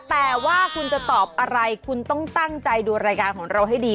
แต่ว่าคุณจะตอบอะไรคุณต้องตั้งใจดูรายการของเราให้ดี